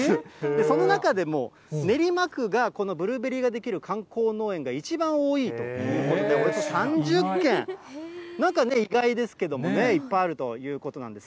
その中でも練馬区がこのブルーベリーができる観光農園が一番多いと、およそ３０軒、なんかね、意外ですけどもね、いっぱいあるということなんです。